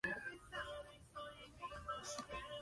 Las ramas se inclinan ligeramente a medida que el árbol madura.